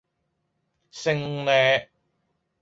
升呢